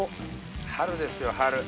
春ですよ春。